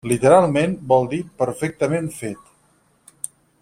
Literalment, vol dir 'perfectament fet'.